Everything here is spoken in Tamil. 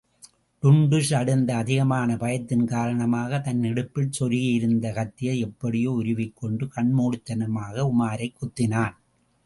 டுன்டுஷ் அடைந்த அதிகமான பயத்தின் காரணமாக, தன் இடுப்பில் சொருகியிருந்த கத்தியை எப்படியோ உருவிக்கொண்டு, கண்மூடித்தனமாக உமாரைக்குத்தினான்.